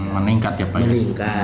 meningkat ya pak